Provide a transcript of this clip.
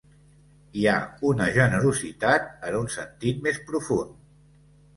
Hi ha una generositat en un sentit més profund